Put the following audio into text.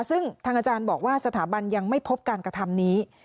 ซึ่งทางอาจารย์บอกว่าสถาบันยังไม่พบการกระทำนี้